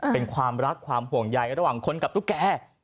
เป็นความรักซึ่งความห่วงใยกับแต่คนกลับตุ๊กแก่